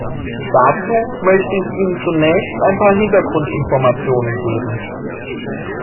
Dazu möchte ich Ihnen zunächst ein paar Hintergrundinformationen geben.